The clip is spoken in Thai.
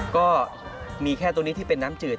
ก็มีแค่ตัวนี้ที่เป็นน้ำจืด